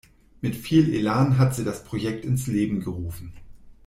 Mit viel Elan hat sie das Projekt ins Leben gerufen.